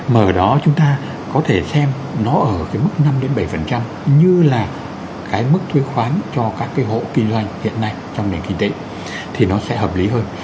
mà ở đó chúng ta có thể xem nó ở cái mức năm bảy như là cái mức thuế khoán cho các cái hộ kinh doanh hiện nay trong nền kinh tế thì nó sẽ hợp lý hơn